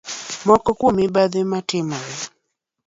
Moko kuom mibadhi ma timore